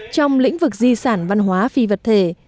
trong lĩnh vực di sản văn hóa phi vật thể